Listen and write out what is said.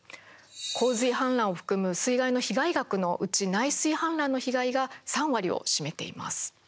洪水氾濫を含む水害の被害額のうち内水氾濫の被害が３割を占めています。